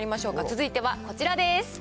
続いてはこちらです。